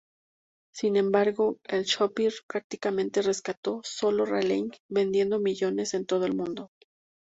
Sin embargo, el Chopper prácticamente rescató solo Raleigh, vendiendo millones en todo el mundo.